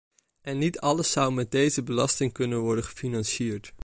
En niet alles zou met deze belasting kunnen worden gefinancierd.